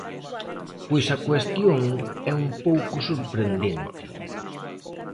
Pois a cuestión é un pouco sorprendente.